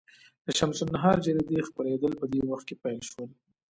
د شمس النهار جریدې خپرېدل په دې وخت کې پیل شول.